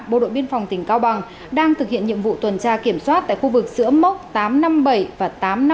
bộ đội biên phòng tỉnh cao bằng đang thực hiện nhiệm vụ tuần tra kiểm soát tại khu vực giữa mốc tám trăm năm mươi bảy và tám trăm năm mươi